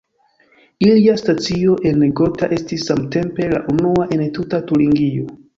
Ilia stacio en Gotha estis samtempe la unua en tuta Turingio.